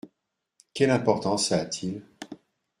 Quelle importance ça a-t-il ?